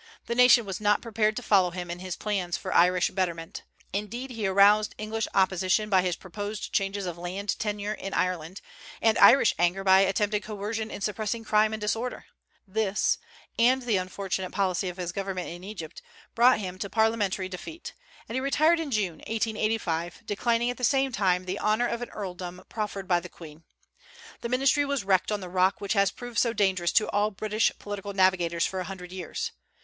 The nation was not prepared to follow him in his plans for Irish betterment. Indeed, he aroused English opposition by his proposed changes of land tenure in Ireland, and Irish anger by attempted coercion in suppressing crime and disorder. This, and the unfortunate policy of his government in Egypt, brought him to parliamentary defeat; and he retired in June, 1885, declining at the same time the honor of an earldom proffered by the Queen. The ministry was wrecked on the rock which has proved so dangerous to all British political navigators for a hundred years.